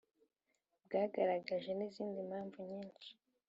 bwagaragaje n’izindi mpamvu nyinshi